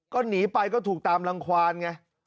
ก็หนีไปก็ถูกตามรังควานไง